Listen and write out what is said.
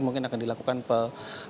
mungkin akan dilakukan perubahan